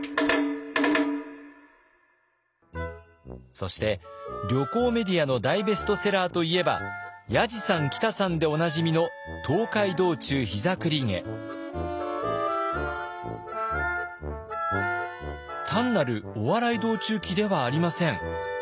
そして旅行メディアの大ベストセラーといえばやじさんきたさんでおなじみの単なるお笑い道中記ではありません。